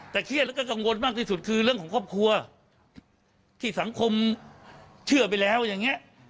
แต่เครียดแล้วก็กังวลมากที่สุดคือเรื่องของครอบครัวที่สังคมเชื่อไปแล้วอย่างนี้